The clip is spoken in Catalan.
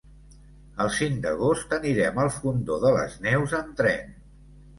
El cinc d'agost anirem al Fondó de les Neus amb tren.